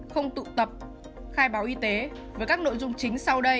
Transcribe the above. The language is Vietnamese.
không tụ tập khai báo y tế với các nội dung chính sau đây